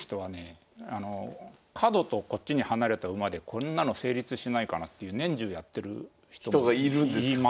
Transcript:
角とこっちに離れた馬でこんなの成立しないかなっていう人がいるんですか？